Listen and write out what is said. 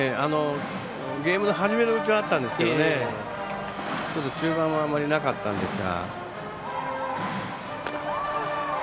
ゲームの始めのうちはあったんですけど中盤はあまりなかったんですが。